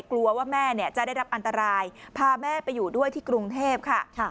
กลัวว่าแม่จะได้รับอันตรายพาแม่ไปอยู่ด้วยที่กรุงเทพค่ะ